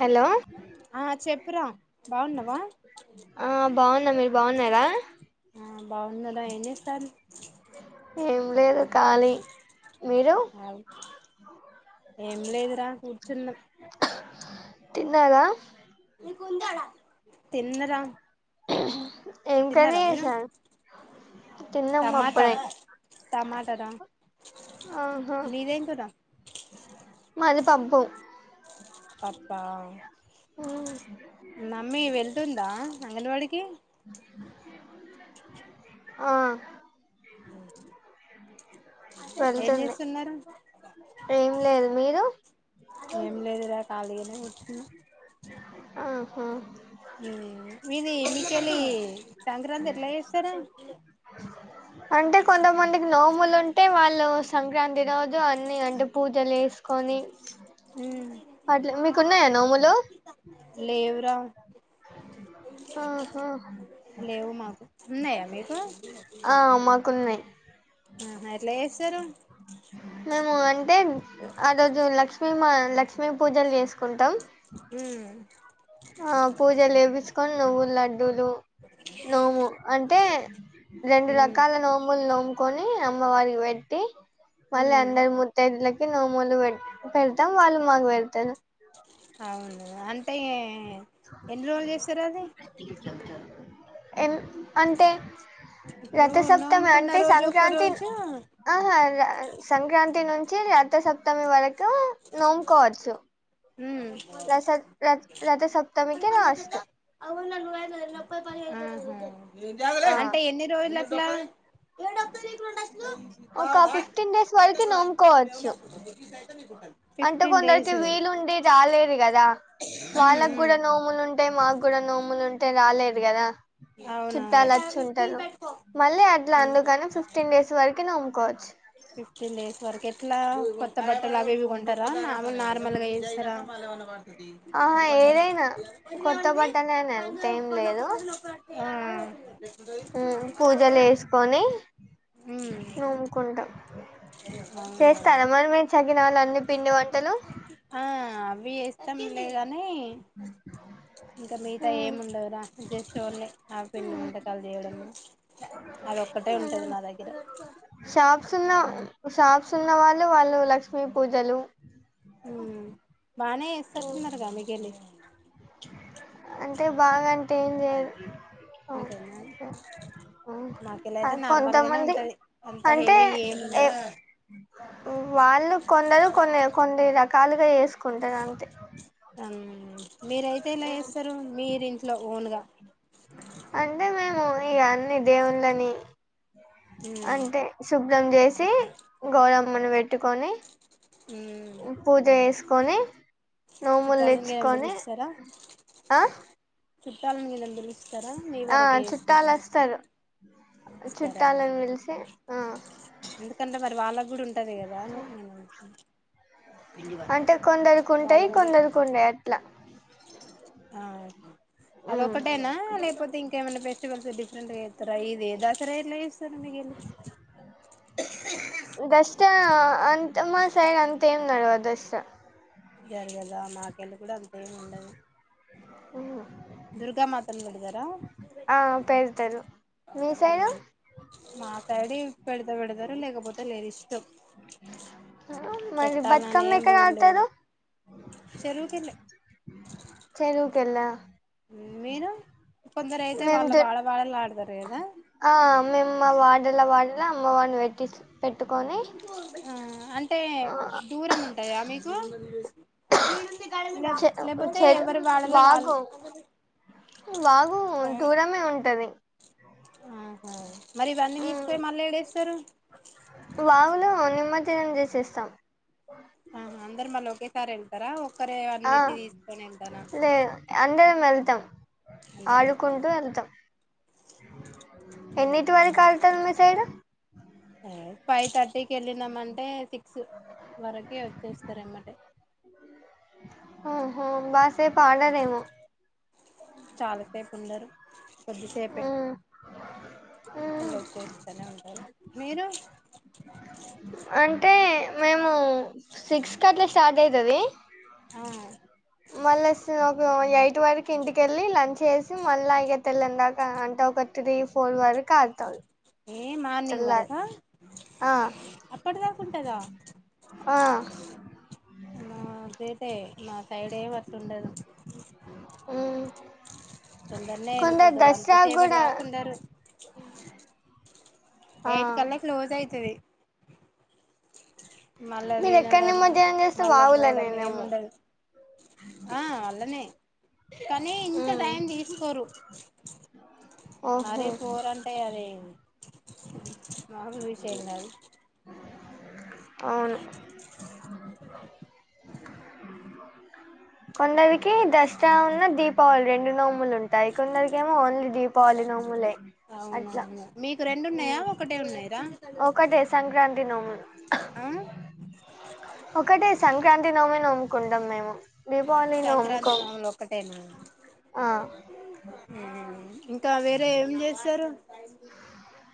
Hello ఆ చెప్పురా బాగున్నవా ఆ బాగున్నా మీరు బాగున్నారా ఆ బాగున్నరా ఏం చేస్త ఏం లేదు ఖాళీ మీరు ఏం లేదురా చిన్న తిన్నదా తిన్నరా ఏం కర్రీ తిన్నరా మీరు చేశారు తిన్నాం టమాటా అప్పుడే టమాటర ఆహా మీదేం కూర మాది పప్పు పప్పా ఉమ్, మమ్మీ వెళ్తుందా అంగన్వాడికి ఆ ఏం వెళ్తుంది చేస్తున్నారు ఏం లేదు మీరు ఏం లేదురా ఖాళీగనే కూర్చున్నా ఆహా హుమ్ మీది ఎన్ని కేళి సంక్రాంతి ఎట్ల చేస్తరు అంటే కొంతమందికి నోములు ఉంటే వాళ్ళు సంక్రాంతి రోజు అన్ని అంటే పూజలు చేసుకొని ఉమ్ అట్ల మీకున్నయా నోములు లేవురా ఆ ఆ హా లేవు మాకు ఉన్నాయా మీకు ఆ మాకు ఉన్నాయి హా మరి ఎట్లా చేస్తరు మేము అంటే ఆ రోజు లక్ష్మీ మా లక్ష్మీ పూజలు చేసుకుంటాం ఉమ్ ఆ పూజలు చేపిచుకొని లోపల్ ల లేదు నోము అంటే రెండు ఉమ్ రకాల నోములు నోములు కొని అమ్మవారికి పెట్టి మళ్ళీ ఉమ్ అందరు ముతైదులకి మేము నోములు పె పెడతాం వాళ్ళు మాకు పెడతారు అవును అంటే ఎన్ని రోజులు చేస్తారా అది ఎం అంటే ఇప్పుడు రథసప్తమి నోముకున్న అంటే రోజు ఒక్క సంక్రాంతి రోజు ఆహ సంక్రాంతి నుంచి రథ సప్తమి వరక్ తోనోముకోవచ్చు ఉమ్ రసత్ రథ రథసప్తమీ పనితత అప్ ఉన్నరు పన్నెండు ఒక్క పన్నెండు ఆ అంటే ఎన్ని రోజులకు ఇక ఒక ఫిఫ్టీన్ డేస్ వరకు నోముకోవచ్చు అంటే ఫిఫ్టీన్ డేస్ కొందరికి ఉమ్ వీలుండి రాలేదు కదా వాళ్ళకి ఉమ్ కూడా నోములు న్ అంటే మాకు కూడా నోములు ఉంటే రాలేదు కదా అవునా పె చుట్టాలు వచ్చి ఉంటారు మళ్ళీ అట్లా అందుకని ఫిఫ్టీన్ డేస్ వరక్ ఊరికనే అమ్ముకోవచ్చు ఫిఫ్టీన్ డేస్ వరకే అట్లా కొత్త బట్టలు అవి ఇవి కొంటారా నార్మల్గా వేస్తారా ఆహా ఏదైనా కొత్త కొది బట్టలే అని ప అంతేం కొ కొది లో అ [unintelligible] ఉ పూజలు వేసుకొని నూముకుంటాం చేస్తార మరి మి గినాలు అన్ని పిండి వంటలు ఆ వి ఏస్తం లే గ కానీ ఇంకా మిగతా ఉమ్, ఏమి ఉండదురా జస్ట్ ఓన్లీ ఆ పిండి వంటకాలు చేయడము అది ఒక్కటే ఉంటంది మా దగ్గర సున్న షాప్స్ ఉన్న వాళ్ళు వాళ్ళు లక్ష్మీ పూజలు బానే ఉమ్, ఇస్తస్తున్నారుగా మిగిలి అంటే బాగన్ టైన్ జ అంతేనా మాకెళ్ళ అయితే నార్మల్ గానే కొంతమంది ఉంటది అంత అంటే హెవీ ఏమి ఏ ఉండదు వాళ్ళు కొందరు కొన్ని కొన్ని రకాలుగా ఏసు కొంటదంతే అమ్ మీరయితే ఇలా చేస్తారు మీరు లో ఓనుగా వు ఇగన్ని దేవుందని ఉమ్ అంటే సుబ్ బ్లం జేసి గోడమ్మను పెట్టుకొని పూజ జెస్ కోనే నోములు చుట్టాలని గిన తెచ్చుకొని ఆ చుట్టాలన్ వీ లందరు స్తరా మీ ఆ వరకే చుట్టాలు ఏస్కుంటరా వస్తారు ఇస్తరా చుట్టాలని పిలిచి ఆ ఎందుకంటే మరి వాళ్ళక్ గూడుంటది కదా అనే నేను అంటే కొందరుకుంటాయి వాళ్ళు కూడా కొందరుకు ఉండాయి అట్లా ఆ ఉమ్. అదొకటేనా లేపోతే ఇంకేమైనా పెట్ స్టీవాల్స్ డిఫరెంటుగా ఎత్తర ఇది దాసర లే సర్ మీ గలి త అంత మా సైడ్ అంత ఏం నడవదు సా గరె గదా మాకెళ్ళ గూడా అంతేముండదు. దుర్గా మాతను పెడదారా ఆ పెడతారు మీ సైడు మా తాడీ పెడతే పెడతారు లేకపోతే లేడీస్ [unintelligible] మరి పెట్టాలని బతుకమ్మ ఏం ఎక్కడ రూల్ ఆడతారు లేదు చెరువుకి వెళ్ళ గల్లా మీరు కొందరు అయితే మేము వాళ్ళ దు వాడ వాడలా వాడతారు కదా ఆ మేము మా వార్డెన్ల మాదిరే అమ్మ వారిని వెట్టి పెట్టుకొని అే దూరం ఉంటదా మీకు చె లేకపోతే చెరు ఎవరు వాళ్ళలో వాళ వాగు వాగు దూరమే ఉంటది ఆహా మరి ఇవన్నీ ఉమ్, తీసుపోయి మళ్ళా ఏడేస్తారు ఆ నిమర్జనం చేసేస్తాం ఆా అందరి మల్ల ఒకే సార్ వెళ్తారా ఒకో ఆ లే అంద వెళ్తాం అందరు వెళ్తారా ఆడుకుంటూ వెళ్తాం ఎన్నిటి వరకు ఆళ్తారు మీ సైడు ఫైవ్ థర్టీకి వెళ్ళినాం అంటే సిక్ ఎక్స్ వరకే వచ్చేస్తారన్నమాట హు హు బాసే ఆడర ఏమో చాలాసేపు ఉండరు కొద్దిసేపే మ్మ్ మల్ల మ్మ్ వచ్చేచేస్తూనే ఉంటారు మీరు అంటే మేము సిక్స్కి అట్లా స్టార్ట్ అయితది ఆ మళ స ఓ ఎయిట్ వరకు ఇంటికెళ్ళి లంచ్ చేేసి మళ్ళా ఇక తెల్లని దాకా అంట ఒక త్రీ ఫోర్ వరకు ఆడతాం ఏ మార్నింగ్ తెల్లారి వరక ఆ అప్పటిదాకా ఉంటాదా ఆ సట మా సైడ్ ఏమి ఆట్లవుండదు మ్మ్ తొందరనే కొందరు వెళ్ళిపోతారు అంత దసరాకు సేపటి కూడా దాకా ఉండరు ఆ ఎయిట్ కల్లా క్లోజ్ అయితది మళ్ళా మీరు ఎక్కడ వినడం నిమజ్జనం చేస్తే మళ్ళా పోవడం వాగులనేనేమో ఏముండదు ఆ వాళ్ళనే కానీ ఇంత మ్మ్ టైం తీసుకోరు ఓహో మరి పూరంటాయి అదే మామూల్ విషయం కాదు అవును కొందరికి దసరా ఉన్న దీపావళి రెండు నోములు ఉంటాయి. కొందరికి ఏమో ఓన్లీ దీపావళి నోములే అట్లా అవునవును మీకు రెండు ఉన్నాయా ఒకటే ఉన్నాయిరా ఒకటే సంక్రాంతి నోము ఆ ఒకటే సంక్రాంతి నోమే నోముకుంటమ్ మేము దీపావళి సంక్రాంతి నోములు ఒక్కటేనా అ ఇకా వేరే ఏం జేస్తారు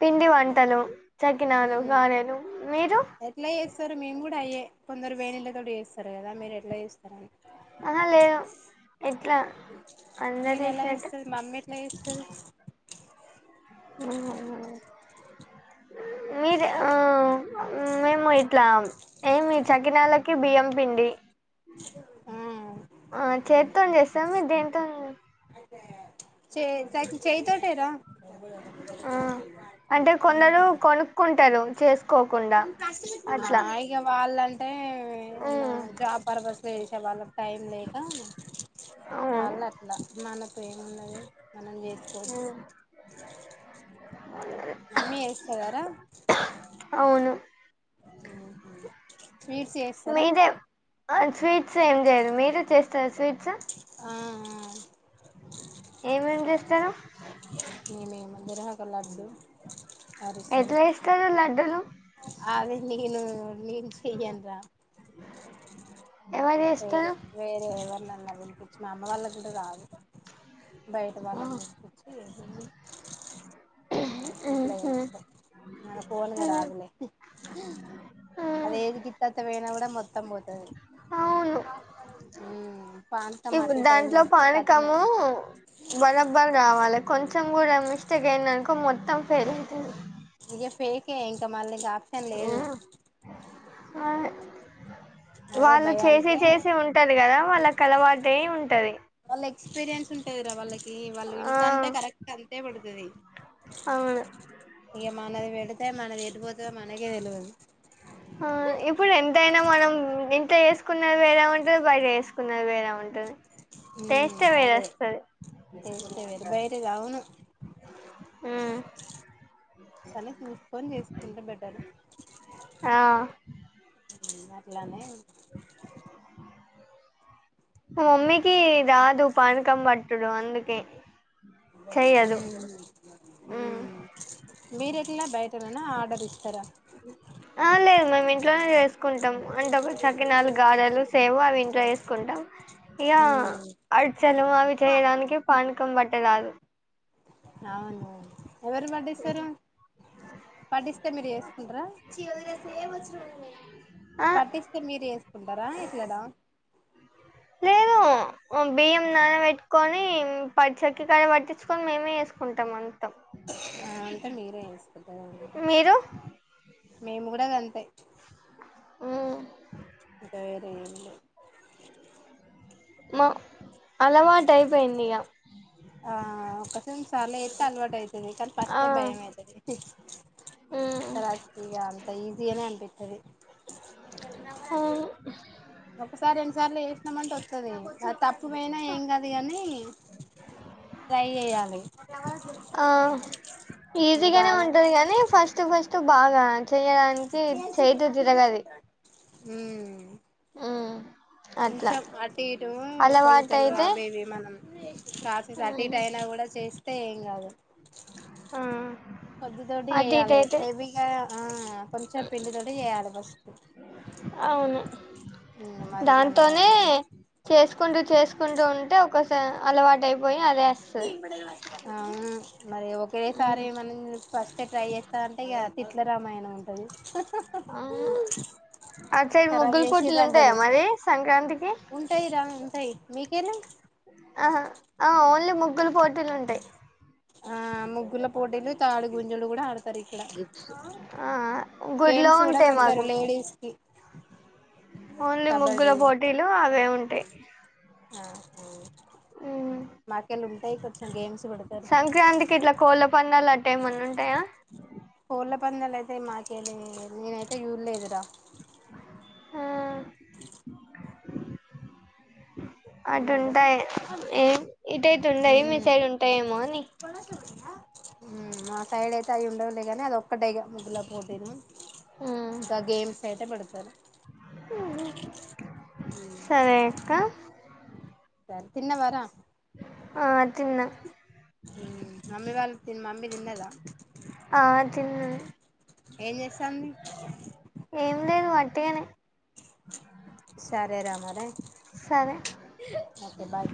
పిండి వంటలు చక్కినాలు గాారెలు ఎట్ల ఏజ్ సార్ మేము కూడా అయ్యే కొందరు వేన్నీళ్లతోని చేస్తారు కదా మీరు ఎట్లా చేస్తారని అహ లేవు ఇట్లా అందరు మీరు ఎలా తీసినట్టు చేస్తారు మమ్మీ ఎట్లా చేస్తది మీది ఆ మేము ఇట్లా ఏమి చకినాలకి బియ్యం పిండి ఆ ఆ చేత్తో జేస్తాము దింతో చే చేయితోటేరా ఆ అంటె కొందరు కొనుక్కుంటారు చెస్ అ ఇగ వాళ న్న ఉమ్ జాబ్ పర్పస్ వేసే వాళ్ళ టైం లేక అవును వాల్ల అట్లా మనతో ఏమున్నది మనం జేసుకోవచ్చు ఉమ్ మమ్మీ ఏస్తదరా అవును స్వీట్స్ చేస్తారా మీదె స్వీట్స్ ఏం చేయరు మీరే చేస్తారు స్వీట్స్ ఆ ఏమేమి ఆ చేస్తారు ఏ మేము గురహక లడ్డు ఎట్లా చేస్తారు లడ్డూలు అదే నేను మీరు చేయండ్ర ఎవరు వేరే చేస్తారు వేరే ఎవరినన్నా విని మామ వాళ్ల ఈడు రాదు బయట ఆ, వాళ్ళని తీసుకొచ్చి ఏద అట్లా ఉహు ఇష్టం మన ఫోన్గా ఉమ్ రాదులే అద ఉమ్ ఏది కిత్తాత పోయిన కూడా మొత్తం పోతుంది అవును దాంట్లో పానకము బరబర్ కావాలి కొంచెం మొత్తం కూడా మిస్టేక్ అయింది అనుకో మొత్తం ఫెల్ అవుతుంది ఇగా ఫేకే ఇంకా మళ్లి కా ఇంకా లేదు ఆ అదే వాళ్ళు చేసే భయానికే చేసి ఉంటది కదా వాళ్ళకు అలవాటే ఉంటది వాళ్ళు ఎక్స్పీరియన్స్ ఉంటదిరా వాళ్ళకి వాళ్ళు ఆ ఇంతంటే కరెక్ట్ అంతే పడుతుది అవును ఇక మనది పెడితే మనది పోతే మనకే తెలేవదు ఆ ఇప్పుడు ఎంతైనా మనం ఇంట్లో వేసుకున్నది వేరే ఉంటది బయట వేసుకున్నది వేరే ఉంటది టేస్టే వేరే అదే వస్తది చేస్తే మీరు బయట ఆవును ఉమ్ కానీ చూసుకొని చేసుకుంటే బెటర్ ఆ అట్లానే మమ్మీకి రాదు పానకం పట్టుడు అందుకే చెయ్యదు ఉమ్ మీరు యట్లు బయట నా అన్న ఆర్డర్ ఇస్తారా ఆ లేదు మేము ఇంట్లోనే చేస్తాం కుంటాం అంటే అప్పుడు సకినాలు గారెలు చేవు అవి ఇంట్లో చేసుకుంటాం ఇ యా ఉమ్ అరిసెలు అవి చేయడానికి పానకం కం పట్టద అదు అవును ఎవరు పట్టిస్తారు పట్టిస్తే మీరు వేసుకుంటారా ఆ పట్టిస్తే మీరు వేసుకుంటారా ఇట్లాదా లేదు బియ్యం నాన పెట్టుకొని ప చెక్కకాయ పట్టించుకొని మేమే వేసుకుంటాం అంతాం అ అంటే మీరే వేసుకుంటారా మీరు మేము కూడా గంతే ఊ ఏం లేదు మా అలవాటు అయిపోయింది ఇక ఆ ఒకసారి సార్లు వేస్తే అలవాటు అవుతది కానీ ఫస్ట్ ఆ డే భయం అవుతది [inaudible] అంత ఈజీగానే అనిపిస్తుంది అవును ఒకసారి ఎన్నిసార్ లే మంట్ వస్తుందిండి అ తప్పు పోయినా ఏం కాదు కానీ ట్రై చేయ్యాలి ఆ ఇంకా ఈజీగానే రాలా మంచి ఎ కదం మనికి చేయదు తిరగది హుం మ్మ్ అట్లా కొంచెం అటు ఇటు అలవాటు కోలతలు అయితే అవేవి మనం ప్రాసెస్ అటు మ్మ్. ఇటు అయినా కూడా చేసి ఏం కాదు ఆ కొద్ది తోటి అటు ఇటు ఏయాలి అయితే హెవీగా ఆ కొంచెం పిండితోటి జేయాలి ఫస్టు అవును దాంతోనే చేసు కొంచెం చేసుకుంటూ ఉంటే ఒక స అలవాటు అయిపోయి అదే వస్తది అవును మరి ఒక్రేసారి మనం ఫస్ట్ ట్రై చేస్తా అంటే ఇగ తిట్లరామాయణం ఉం టది హు ఆ అట్లయితే ఖరాబ్ ముగ్గుల చేసిర్రు పోటీలు అంటారు ఉంటాయామరి సంక్రాంతికి తై మీకేల అహ ఆ ఓన్లీ ముగ్గులు పోట్ ఆ ముగ్గుల పోటీలు తాడు గుంజలు కూడా ఆడ ఆ అ గుడ్లో గేమ్స్ కూడా ఉంటాయి పెడతారు మాకు లేడీస్ కి ఓన్లీ ముగ్గుల కబడ్డీ పోటీలు అవే ఉంటాయ్ ఆ ఆ ఉమ్ మాకెళ్ళు ఉంటాయి కొంచెం గేమ్స్ పెడతారు సంక్రాంతికి ఇట్లా కోళ్ల పందెలు ఎడ్ టైం వన్ ఉంటాయా ఊళ్ళ పందెలు అయితే మాకేలె నేనైతే చూడలేదురా ఆ ఏం పడ్డది అటుంటాయి ఏ ఇటుఇటు ఉండయి మీ సైడ్ ఉంటాయేమో అని హుమ్ మా సైడ్ అయితే అవి ఉండవులేగాని అదొక్కటేఇక ముగ్గుల పోటీను ఇంకా గేమ్స్ అయితే పెడతారు ఉమ్ సరే అక్క సర్ తిన్నవార ఆ తిన్న ఉమ్ మమ్మి వాళ్ళ తిన్ మమ్మీ తిన్నదా ఆ, తిన్నాను ఏం చేస్తాంది ఉత్తగానె సరే రా మరే ఓకే బాయ్